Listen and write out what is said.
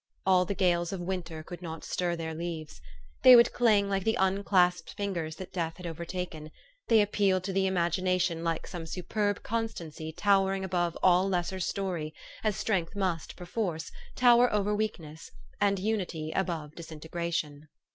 All the gales of winter could not stir their leaves. They would cling like the unclasped fingers that death had overtaken ; they appealed to the imagina tion like some superb constancy towering above all lesser story, as strength must, perforce, tower over weakness, and unity above disintegration.